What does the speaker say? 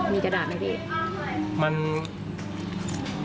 มีกระดาษไหมพี่